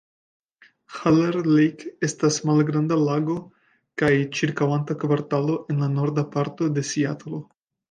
Haller Lake estas malgranda lago kaj ĉirkaŭanta kvartalo en la norda parto de Seatlo.